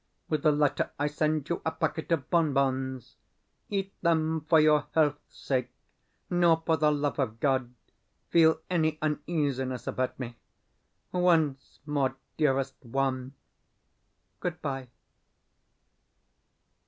With the letter I send you a packet of bonbons. Eat them for your health's sake, nor, for the love of God, feel any uneasiness about me. Once more, dearest one, good bye.